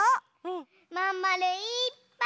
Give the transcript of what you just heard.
まんまるいっぱい！